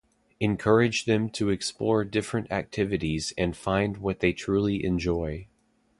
Encourage them to explore different activities and find what they truly enjoy.